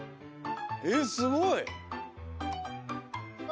えっすごい！わ！